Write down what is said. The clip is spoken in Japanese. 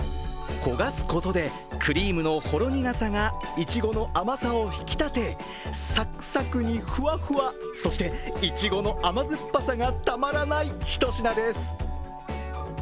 焦がすことで、クリームのほろ苦さがいちごの甘さを引き立てサクサクにフワフワ、そしていちごの甘酸っぱさがたまらないひと品です。